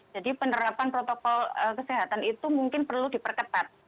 jadi penerapan protokol kesehatan itu mungkin perlu diperketat